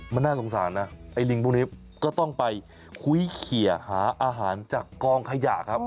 มันน่าสงสารนะไอ้ลิงพวกนี้ก็ต้องไปคุยเขียหาอาหารจากกองขยะครับ